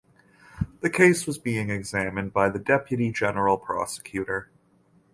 The case was being examined by the deputy general prosecutor.